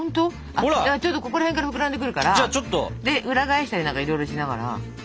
じゃあちょっとここら辺から膨らんでくるから裏返したりなんかいろいろしながら。